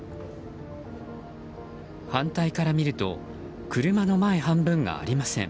反対から見ると車の前半分がありません。